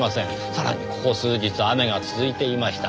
さらにここ数日雨が続いていました。